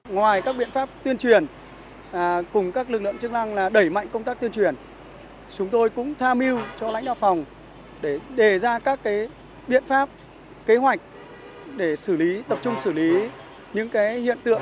ngoài các biện pháp tuyên truyền cùng các lực lượng chức năng đẩy mạnh công tác tuyên truyền chúng tôi cũng tham mưu cho lãnh đạo phòng để đề ra các biện pháp kế hoạch để xử lý tập trung xử lý những hiện tượng